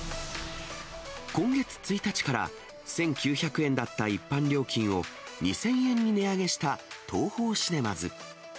今月１日から、１９００円だった一般料金を、２０００円に値上げしたＴＯＨＯシネマズ。